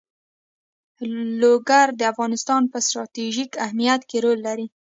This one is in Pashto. لوگر د افغانستان په ستراتیژیک اهمیت کې رول لري.